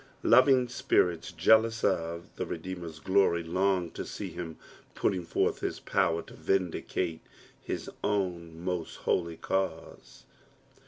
Loving spirits jealous of the Rddecmer's glory long to see him putting forth his power to vindicate his own most holy cause.